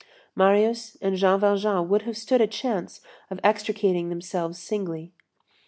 Marius and Jean Valjean would have stood a chance of extricating themselves singly.